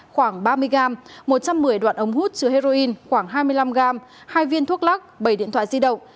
khoảng ba mươi gram một trăm một mươi đoạn ống hút chứa heroin khoảng hai mươi năm gram hai viên thuốc lắc bảy điện thoại di động